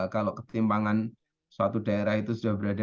kalau ketimpangan suatu daerah itu sudah berada